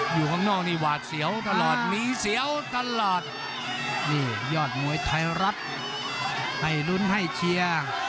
อยู่ข้างนอกนี่หวาดเสียวตลอดมีเสียวตลอดนี่ยอดมวยไทยรัฐให้ลุ้นให้เชียร์